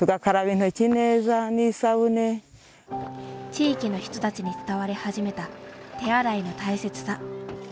地域の人たちに伝わり始めた手洗いの大切さ。